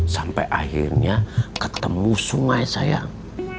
sampai akhirnya ketemu sungai sayang